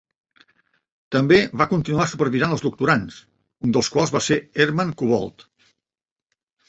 També va continuar supervisant els doctorands, un dels quals va ser Hermann Kobold.